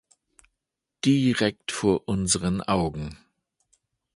Direkt vor unseren Augen!